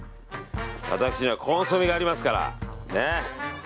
私にはコンソメがありますから。